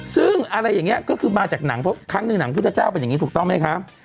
ซึ่งอะไรอย่างนี้ก็คือมาจากหนังเพราะครั้งหนึ่งหนังพุทธเจ้าเป็นอย่างนี้ถูกต้องไหมคะ